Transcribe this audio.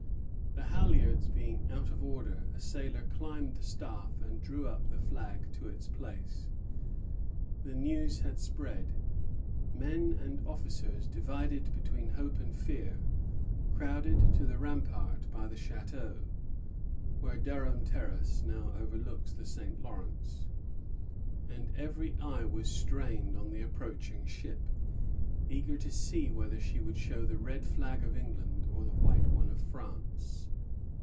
The halyards being out of order, a sailor climbed the staff and drew up the flag to its place. The news had spread; men and officers, divided between hope and fear, crowded to the rampart by the Château, where Durham Terrace now overlooks the St. Lawrence, and every eye was strained on the approaching ship, eager to see whether she would show the red flag of England or the white one of France.